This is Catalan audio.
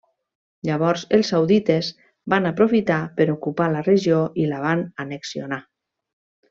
Llavors els saudites van aprofitar per ocupar la regió i la van annexionar.